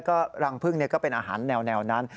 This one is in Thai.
ก็รังพึ่งก็เป็นอาหารแนวนั้น